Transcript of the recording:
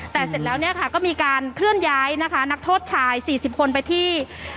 แต่เสร็จแล้วเนี่ยค่ะก็มีการเคลื่อนย้ายนะคะนักโทษชาย๔๐คนไปที่